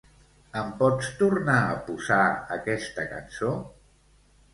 Em pots tornar a posar aquesta cançó?